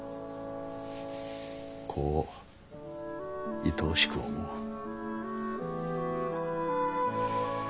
子をいとおしく思う。